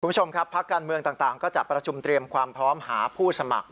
คุณผู้ชมครับพักการเมืองต่างก็จะประชุมเตรียมความพร้อมหาผู้สมัคร